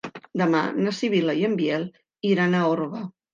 Demà na Sibil·la i en Biel iran a Orba.